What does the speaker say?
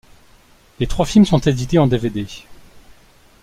Les trois films sont édités en dvd.